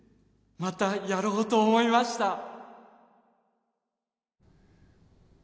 またやろうと思いました